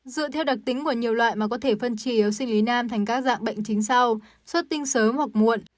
dựa theo đặc tính của nhiều loại mà có thể phân trì yếu sinh lý nam thành các dạng bệnh chính sau xuất tinh sớm hoặc muộn